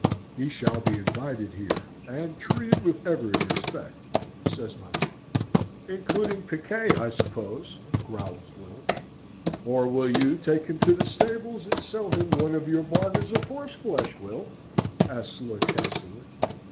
"He shall be invited here, and treated with every respect," said my lord. "Including piquet, I suppose!" growls Will. "Or will you take him to the stables, and sell him one of your bargains of horseflesh, Will?" asks Lord Castlewood.